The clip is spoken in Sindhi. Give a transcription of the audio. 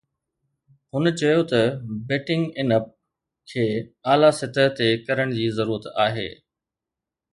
هن چيو ته بيٽنگ ان اپ کي اعليٰ سطح تي ڪرڻ جي ضرورت آهي